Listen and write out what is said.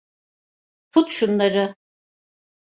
Tut şunları.